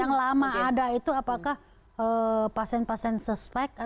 yang lama ada itu apakah pasien pasien suspek